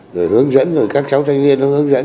rồi hướng dẫn rồi các cháu thanh niên nó hướng dẫn